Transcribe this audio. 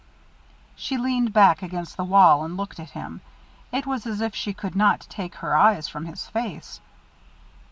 She leaned back against the wall and looked at him; it was as if she could not take her eyes from his face.